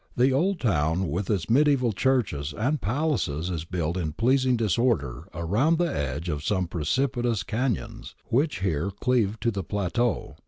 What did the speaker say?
The old town with its mediaeval churches and palaces is built in pleasing disorder round the edge of some precipitous cafions which here cleave the plateau.